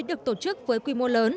được tổ chức với quy mô